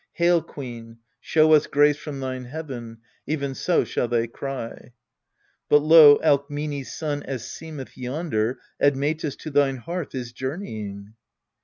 Hail, queen, show us grace from thine heaven !" Even so shall they cry. But lo, Alkmene's son, as seemeth, yonder, Admetus, to thine hearth is journeying.